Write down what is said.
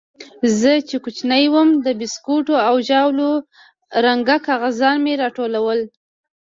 زه چې کوچنى وم د بيسکوټو او ژاولو رنګه کاغذان مې راټولول.